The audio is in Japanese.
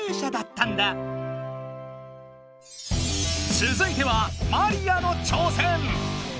続いてはマリアの挑戦。